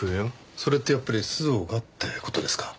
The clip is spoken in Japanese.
それってやっぱり須藤がって事ですか？